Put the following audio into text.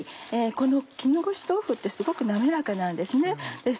この絹ごし豆腐ってすごく滑らかなんです。